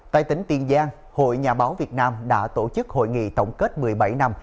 tại tỉnh tiền giang hội nhà báo việt nam đã tổ chức hội nghị tổng kết một mươi bảy năm